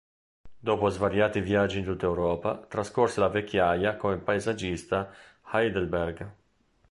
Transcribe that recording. Dopo svariati viaggi in tutta Europa, trascorse la vecchiaia come paesaggista a Heidelberg.